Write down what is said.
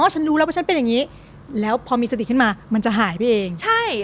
ฉันรู้แล้วว่าฉันเป็นอย่างนี้แล้วพอมีสติขึ้นมามันจะหายไปเองใช่